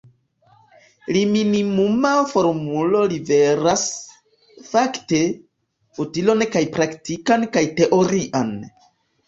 La minimuma formulo liveras, fakte, utilon kaj praktikan kaj teorian.